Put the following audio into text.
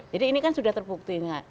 jadi ini kan sudah terbukti